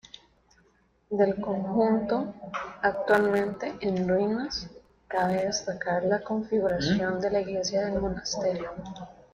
Del conjunto, actualmente en ruinas, cabe destacar la configuración de la iglesia del monasterio.